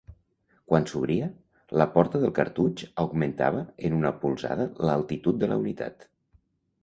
Quan s'obria, la porta del cartutx augmentava en una polzada l'altitud de la unitat.